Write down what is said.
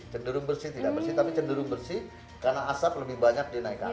cenderung bersih tidak bersih tapi cenderung bersih karena asap lebih banyak di naik ke atas